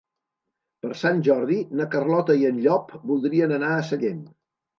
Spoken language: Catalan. Per Sant Jordi na Carlota i en Llop voldrien anar a Sallent.